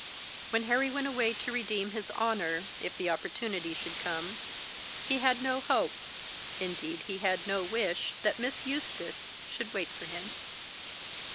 "When Harry went away to redeem his honour, if the opportunity should come, he had no hope, indeed he had no wish, that Miss Eustace should wait for him.